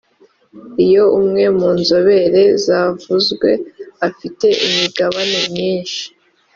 iyo umwe mu nzobere zavuzwe afite imigabane myinshi